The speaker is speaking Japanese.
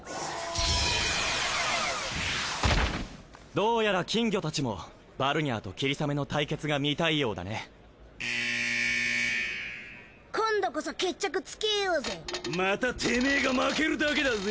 どうやら金魚たちもバルニャーとキリサメの対決が見たいようだね今度こそ決着つけようぜまたてめえが負けるだけだぜ？